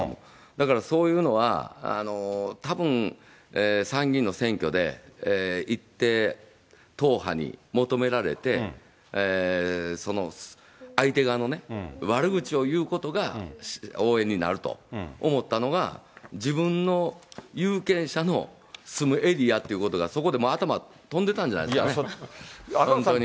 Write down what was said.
だからそういうのは、たぶん、参議院の選挙で行って、党派に求められて、相手側の悪口を言うことが応援になると思ったのが、自分の有権者の住むエリアということが、そこで頭、とんでたんじゃないですかね、本当に。